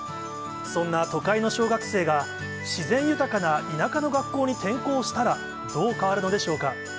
そんな都会の小学生が、自然豊かな田舎の学校に転校したら、どう変わるのでしょうか。